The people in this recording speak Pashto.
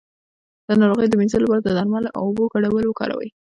د ناروغۍ د مینځلو لپاره د درملو او اوبو ګډول وکاروئ